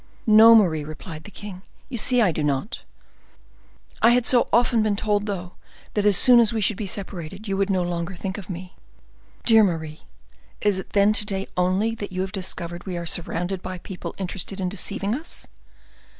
"No, Marie," replied the king; "you see I do not." "I had so often been told, though, that as soon as we should be separated you would no longer think of me." "Dear Marie, is it then to day only that you have discovered we are surrounded by people interested in deceiving us?"